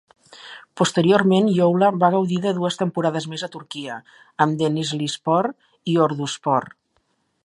Posteriorment, Youla va gaudir de dues temporades més a Turquia, amb Denizlispor i Orduspor.